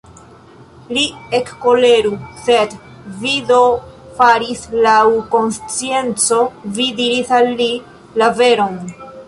Li ekkoleru, sed vi do faris laŭ konscienco, vi diris al li la veron!